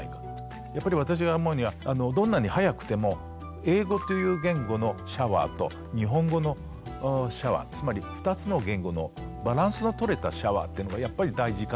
やっぱり私が思うにはどんなに早くても英語という言語のシャワーと日本語のシャワーつまり２つの言語のバランスのとれたシャワーっていうのがやっぱり大事かなと。